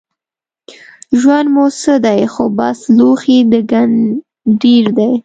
ژوند مو څه دی خو بس لوښی د ګنډېر دی